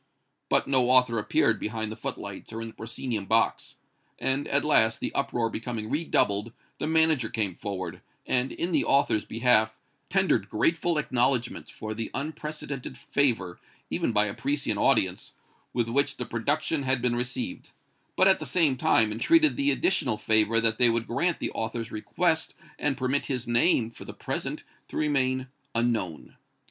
But no author appeared behind the footlights or in the proscenium box; and, at last, the uproar becoming redoubled, the manager came forward, and, in the author's behalf, tendered grateful acknowledgments for the unprecedented favor, even by a Parisian audience, with which the production had been received, but, at the same time, entreated the additional favor that they would grant the author's request, and permit his name, for the present, to remain unknown.